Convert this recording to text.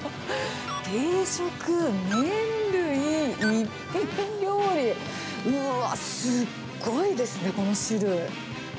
定食、麺類、一品料理、うわー、すごいですね、この種類。